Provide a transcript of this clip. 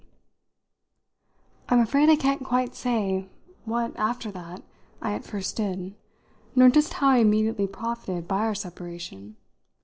VIII I'm afraid I can't quite say what, after that, I at first did, nor just how I immediately profited by our separation.